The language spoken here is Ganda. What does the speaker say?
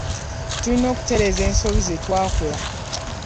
Tulina okutereeza ensobi ze twakola